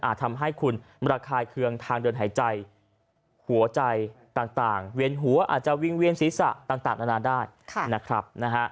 ทำให้คุณระคายเคืองทางเดินหายใจหัวใจต่างเวียนหัวอาจจะวิ่งเวียนศีรษะต่างนานาได้นะครับ